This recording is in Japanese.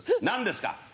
何ですか？